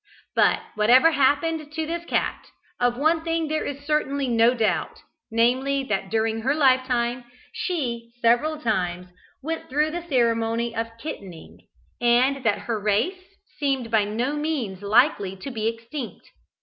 But whatever happened to this cat, of one thing there is certainly no doubt, namely, that during her lifetime she several times went through the ceremony of kittening, and that her race seemed by no means likely to be extinct.